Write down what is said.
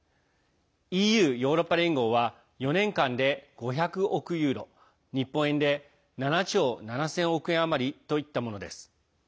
ＥＵ＝ヨーロッパ連合は４年間で５００億ユーロ日本円で７兆７０００億円余りといったものです。